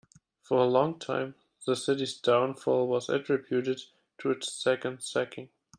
For a long time, the city's downfall was attributed to its second sacking.